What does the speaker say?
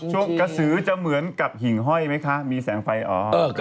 กระสือจะเหมือนกับหิ่งห้อยไหมคะมีแสงไฟอ๋อ